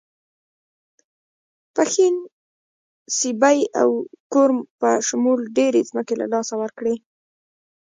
پښین، سیبۍ او کورم په شمول ډېرې ځمکې له لاسه ورکړې.